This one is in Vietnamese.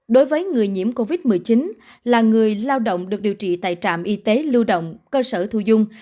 đối với người nhiễm covid một mươi chín là người lao động được điều trị tại trạm y tế lưu động cơ sở thu dung